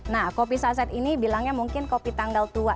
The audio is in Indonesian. nah kopi saset ini bilangnya mungkin kopi tanggal tua